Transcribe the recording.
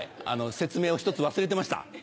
説明を１つ忘れてました。